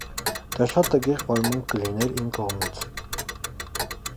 Դա շատ տգեղ վարմունք կլիներ իմ կողմից: